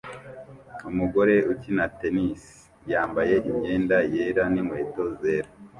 Umugore ukina tennis yambaye imyenda yera ninkweto zera